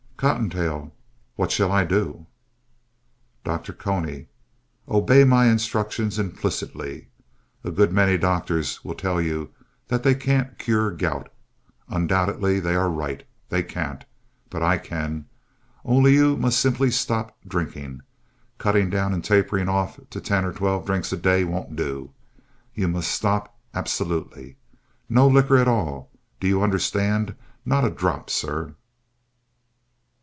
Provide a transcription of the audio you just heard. COTTONTAIL What shall I do? DR. CONY Obey my instructions implicitly. A good many doctors will tell you that they can't cure gout. Undoubtedly they are right. They can't. But I can. Only you simply must stop drinking. Cutting down and tapering off to ten or twelve drinks a day won't do. You must stop absolutely. No liquor at all. Do you understand? Not a drop, sir.